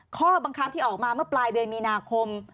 ข้อบังคับที่ออกมาเมื่อปลายเดือนมีนาคม